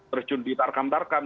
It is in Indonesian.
terjun di tarkam tarkam